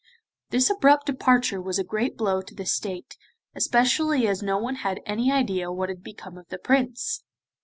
This abrupt departure was a great blow to the State, especially as no one had any idea what had become of the Prince.